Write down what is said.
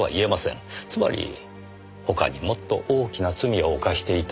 つまり他にもっと大きな罪を犯していた。